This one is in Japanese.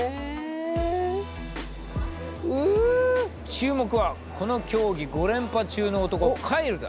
注目はこの競技５連覇中の男カイルだ。